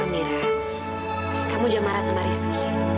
amira kamu jangan marah sama rizky